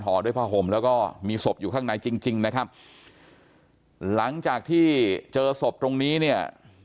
ด้วยผ้าห่มแล้วก็มีศพอยู่ข้างในจริงจริงนะครับหลังจากที่เจอศพตรงนี้เนี่ย